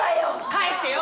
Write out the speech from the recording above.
返してよ！